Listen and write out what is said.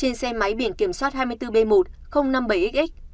trên xe máy biển kiểm soát hai mươi bốn b một năm mươi bảy xx